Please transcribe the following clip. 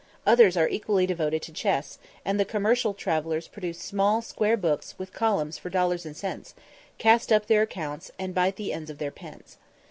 Others are equally devoted to chess; and the commercial travellers produce small square books with columns for dollars and cents, cast up their accounts, and bite the ends of their pens.